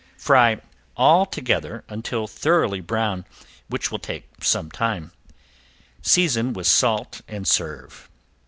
Fry all together until thoroughly brown, which will take some time. Season with salt and serve.